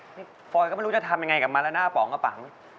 ฟอยก็ไม่รู้จะทำยังไงกับมันแล้วหน้าป๋องกระป๋อง